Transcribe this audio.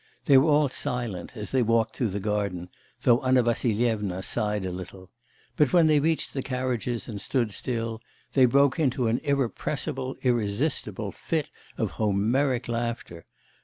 They were all silent, as they walked through the garden, though Anna Vassilyevna sighed a little. But when they reached the carriages and stood still, they broke into an irrepressible, irresistible fit of Homeric laughter.